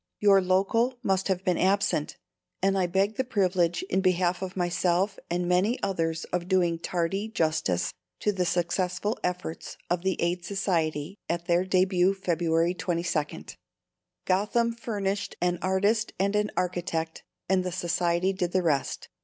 Your "local" must have been absent; and I beg the privilege in behalf of myself and many others of doing tardy justice to the successful efforts of the Aid Society at their debut February 22nd. Gotham furnished an artist and an architect, and the Society did the rest.